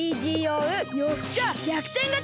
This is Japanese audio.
よっしゃぎゃくてんがち！